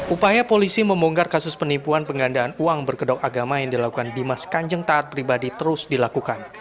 upaya polisi membongkar kasus penipuan penggandaan uang berkedok agama yang dilakukan dimas kanjeng taat pribadi terus dilakukan